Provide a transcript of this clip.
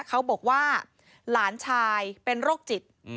เขาบอกว่าหลานชายเป็นโรคจิต